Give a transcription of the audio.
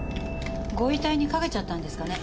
ご遺体にかけちゃったんですかね？